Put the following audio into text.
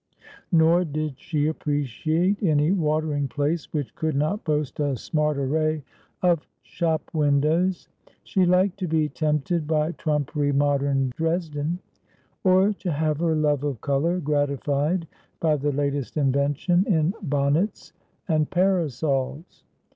Nor did she appreciate any watering place which could not boast a smart array of shop windows. She liked to be tempted by trumpery modern Dresden ; or to have her love of colour gratified by the latest invention in bonnets and parasols.